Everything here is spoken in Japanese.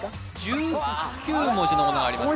１９文字のものがありますね